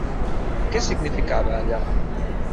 Què significava allò?